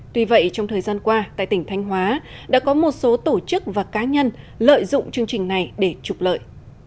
tuy vậy trong thời gian qua tại tỉnh thanh hóa đã có một số tổ chức và cá nhân lợi dụng chương trình này để trục lợi